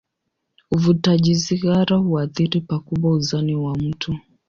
Uvutaji sigara huathiri pakubwa uzani wa mtu.